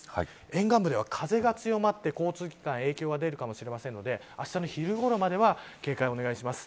沿岸部では風が強まって交通機関に影響が出るかもしれないので明日の昼ごろまでは警戒をお願いします。